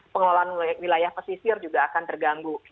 pengelolaan wilayah pesisir juga akan terganggu